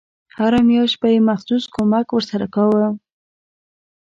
هره میاشت به یې مخصوص کمک ورسره کاوه.